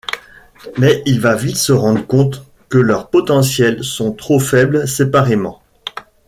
Mais il va vite se rendre compte que leurs potentiels sont trop faibles séparément.